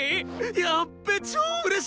やっべえ超うれしい！